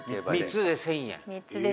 「３つで１０００円」